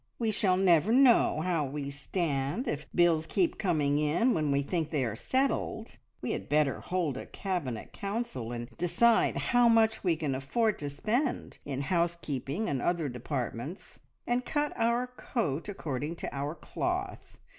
We shall never know how we stand if bills keep coming in when we think they are settled. We had better hold a cabinet council and decide how much we can afford to spend in housekeeping and other departments, and cut our coat according to our cloth.